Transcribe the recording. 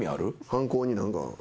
犯行に何か。